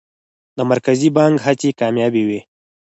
د مرکزي بانک هڅې کامیابه وې؟